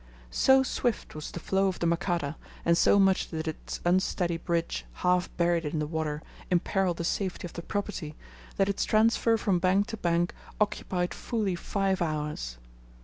So swift was the flow of the Makata, and so much did its unsteady bridge, half buried in the water, imperil the safety of the property, that its transfer from bank to bank occupied fully five hours.